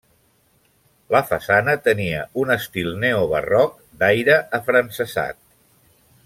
La façana tenia un estil neobarroc d'aire afrancesat.